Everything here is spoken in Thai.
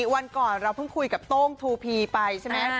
วันก่อนเราเพิ่งคุยกับโต้งทูพีไปใช่ไหม